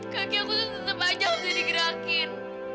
kaki aku tuh tetep aja harus digerakin